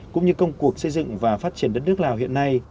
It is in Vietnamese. cũng như công cuộc xây dựng và phát triển đất nước lào hiện nay